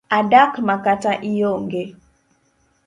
Adak makata ionge.